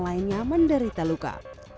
lainnya menderita luka